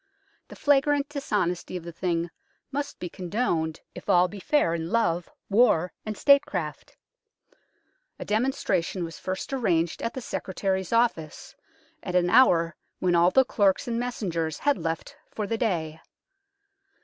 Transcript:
The flagrant dishonesty of the thing must be condoned if all be fair in love, war and statecraft. A demonstration was first arranged at the Secretary's office, at an hour when all the clerks and messengers had left for the day.